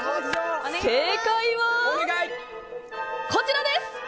正解はこちらです。